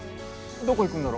どこ行くんだろ？